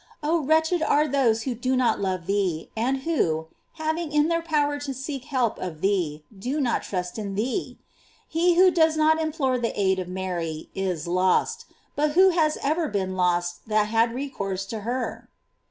Ob, wretched are those who do not love thee, and who, having it in their power to seek help of ftoc, do not trust in thee! He who does not implore the aid of Mary is lost: but who km erer been lost that had recourse to her?